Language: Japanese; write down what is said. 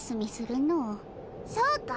そうか？